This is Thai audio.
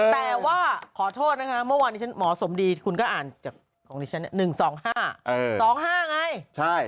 แต่ว่าขอโทษนะฮะเมื่อวานหมอสมดีคุณก็อ่านจากกรงนิชชีนี่๑๒๕